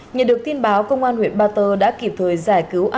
nhận được tin báo công an huyện ba tơ đã kịp thời giải cứu